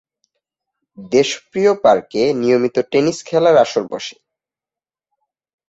দেশপ্রিয় পার্কে নিয়মিত টেনিস খেলার আসর বসে।